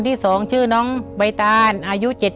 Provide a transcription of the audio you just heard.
คนที่สองชื่อน้องก็เอาหลานมาให้ป้าวันเลี้ยงสองคน